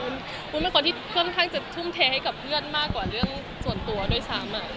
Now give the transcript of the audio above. วุ้นเป็นคนที่ค่อนข้างจะทุ่มเทให้กับเพื่อนมากกว่าเรื่องส่วนตัวด้วยซ้ำ